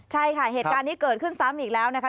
ใช่ค่ะเหตุการณ์นี้เกิดขึ้นซ้ำอีกแล้วนะคะ